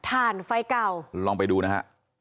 ถ่านไฟเก่าลองไปดูนะฮะ